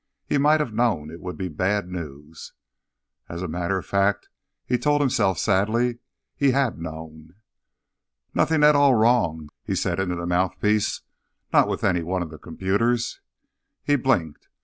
He might have known it would be bad news. As a matter of fact, he told himself sadly, he had known. "Nothing at all wrong?" he said into the mouthpiece. "Not with any of the computers?" He blinked.